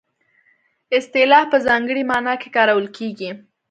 اصطلاح په ځانګړې مانا کې کارول کیږي